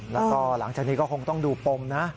แล้วก็หลังจากนี้ก็คงต้องดูปมนะ